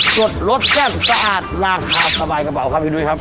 สดรสแซ่บสะอาดราคาสบายกระเป๋าครับพี่นุ้ยครับ